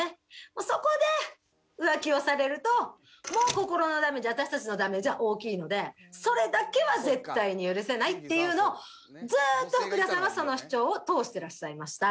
もうそこで浮気をされるともう心のダメージ私たちのダメージは大きいのでそれだけは絶対に許せないっていうのをずーっと福田さんはその主張を通してらっしゃいました。